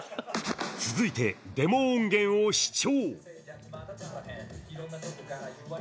続いてデモ音源を視聴。